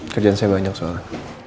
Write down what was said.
kerjaan saya banyak soalnya